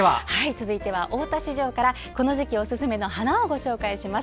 続いては大田市場からこの時期おすすめの花をご紹介します。